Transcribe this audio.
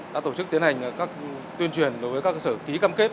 đã tổ chức tiến hành các tuyên truyền đối với các cơ sở ký cam kết